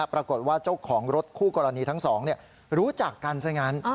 ปรากฏว่าเจ้าของรถคู่กรณีทั้งสองรู้จักกันซะงั้น